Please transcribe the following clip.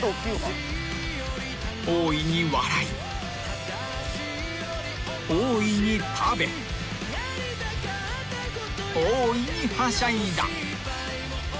［大いに笑い大いに食べ大いにはしゃいだ］